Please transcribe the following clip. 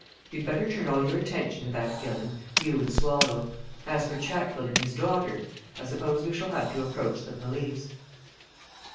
You'd better turn all your attention to that, Gilling you and Swallow. As for Chatfield and his daughter, I suppose we shall have to approach the police."